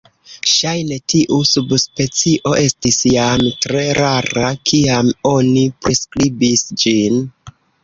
Ŝajne tiu subspecio estis jam tre rara kiam oni priskribis ĝin.